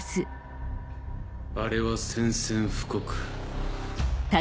あれは宣戦布告。